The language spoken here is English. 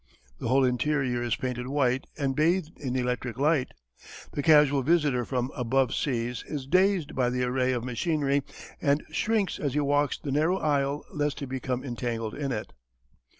The whole interior is painted white and bathed in electric light. The casual visitor from "above seas" is dazed by the array of machinery and shrinks as he walks the narrow aisle lest he become entangled in it.